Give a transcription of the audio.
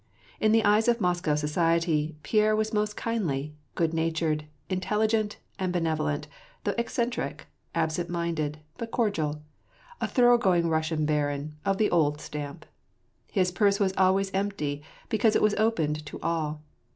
In the eyes of Moscow society, Pierre was most kindly, good natured, intelligent, and benevolent, though eccentric, absent minded, but cordial ; a thor ough going Russian barin, of the old stamp. His purse was always empty, because it was opened to all.